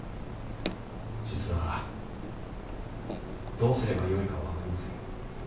実はどうすればよいか分かりません。